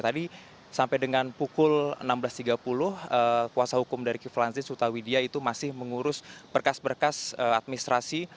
tadi sampai dengan pukul enam belas tiga puluh kuasa hukum dari kiflan zuta widia itu masih mengurus berkas berkas administrasi